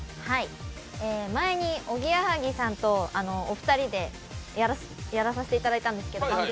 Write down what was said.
前におぎやはぎさんとお二人で番組でやらせていただいたんです。